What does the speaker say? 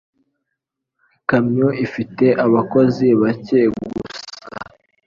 Ikamyo ifite abakozi bake gusa.